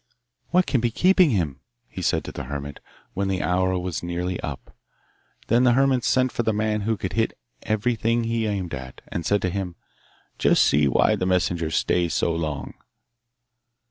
'What can be keeping him,' he said to the hermit when the hour was nearly up. Then the hermit sent for the man who could hit everything he aimed at, and said to him, 'Just see why the messenger stays so long.